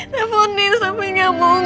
telfonin sampe nyambung